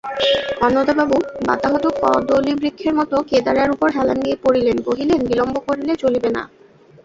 অন্নদাবাবু বাতাহত কদলীবৃক্ষের মতো কেদারার উপর হেলান দিয়া পড়িলেন–কহিলেন, বিলম্ব করিলে চলিবে না!